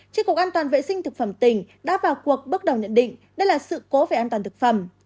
trên cục an toàn vệ sinh thực phẩm tỉnh đã vào cuộc bước đầu nhận định đây là sự cố về an toàn thực phẩm